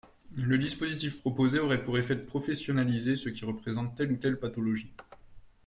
Le dispositif proposé aurait pour effet de professionnaliser ceux qui représentent telle ou telle pathologie.